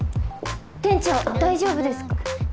店長大丈夫ですか？